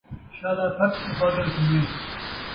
شالا سَت سُہاڳݨ تھیویں